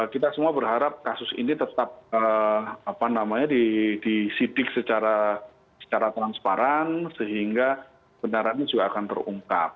kita semua berharap kasus ini tetap disidik secara transparan sehingga benarannya juga akan terungkap